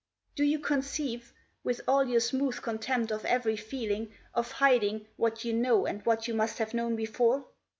"Do you conceive, with all your smooth contempt of every feeling, Of hiding what you know and what you must have known before?